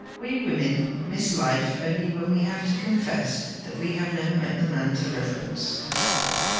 We women miss life only when we have to confess we have never met the man to reverence.'